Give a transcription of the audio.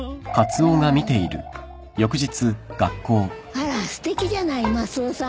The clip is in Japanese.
あらすてきじゃないマスオさん。